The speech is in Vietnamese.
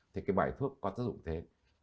thì cái bài thuốc có tác dụng thế